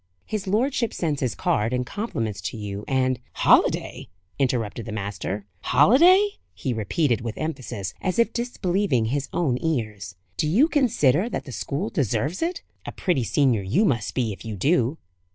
"His lordship sends his card and compliments to you, and " "Holiday!" interrupted the master. "Holiday!" he repeated, with emphasis, as if disbelieving his own ears. "Do you consider that the school deserves it? A pretty senior you must be, if you do."